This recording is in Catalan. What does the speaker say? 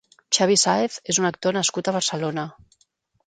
Xavi Sáez és un actor nascut a Barcelona.